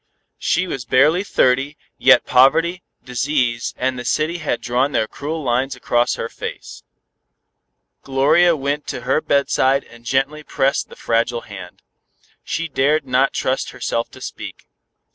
She was barely thirty, yet poverty, disease and the city had drawn their cruel lines across her face. Gloria went to her bedside and gently pressed the fragile hand. She dared not trust herself to speak.